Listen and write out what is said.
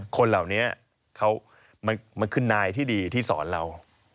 คนเหล่านี้มันคือนายที่ดีที่สอนเรา